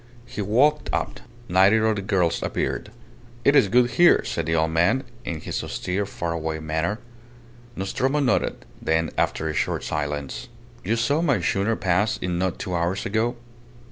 He walked up. Neither of the girls appeared. "It is good here," said the old man, in his austere, far away manner. Nostromo nodded; then, after a short silence "You saw my schooner pass in not two hours ago?